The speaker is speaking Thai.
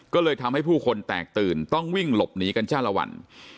ก็เลยทำให้ผู้คนแตกตื่นต้องวิ่งหลบหนีกันจ้าละวัน